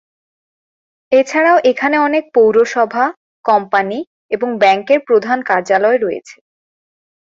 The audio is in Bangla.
এছাড়াও এখানে অনেক পৌরসভা, কোম্পানি এবং ব্যাংকের প্রধান কার্যালয় রয়েছে।